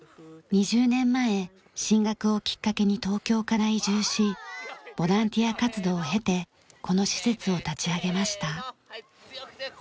２０年前進学をきっかけに東京から移住しボランティア活動を経てこの施設を立ち上げました。